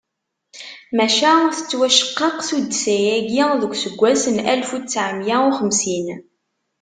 Maca tettwaceqqeq tuddsa-agi deg useggas n alef u ttɛemya u xemsin.